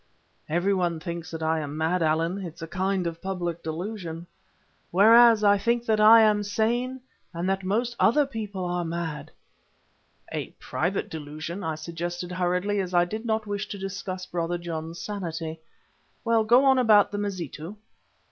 Everyone thinks that I am mad, Allan; it is a kind of public delusion, whereas I think that I am sane and that most other people are mad." "A private delusion," I suggested hurriedly, as I did not wish to discuss Brother John's sanity. "Well, go on about the Mazitu."